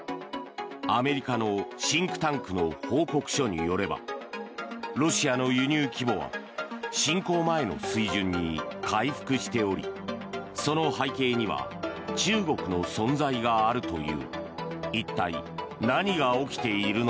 アメリカのシンクタンクの報告書によればロシアの輸入規模は侵攻前の水準に回復しておりその背景には中国の存在があるという。